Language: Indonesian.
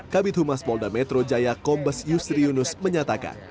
kabit humas polda metro jaya kombes yusri yunus menyatakan